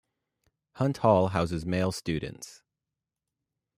Hunt Hall houses male students.